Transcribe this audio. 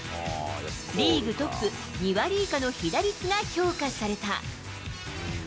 リーグトップ、２割以下の被打率が評価された。